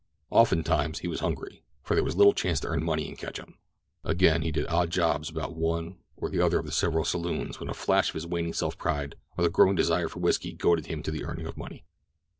Often times he was hungry, for there was little chance to earn money in Ketchum. Again he did odd jobs about one or the other of the several saloons when a flash of his waning self pride or the growing desire for whisky goaded him to the earning of money.